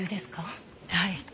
はい。